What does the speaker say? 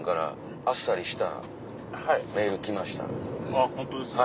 あっホントですか。